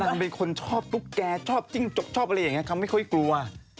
เป็นคนชอบตุ๊กแกชอบจิ้งจกชอบอะไรอย่างนี้เขาไม่ค่อยกลัว